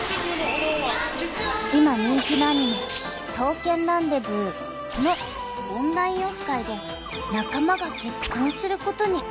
［今人気のアニメ『刀剣らんでぶー』のオンラインオフ会で仲間が結婚することに］